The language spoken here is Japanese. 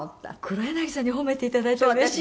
黒柳さんに褒めていただいてうれしいです。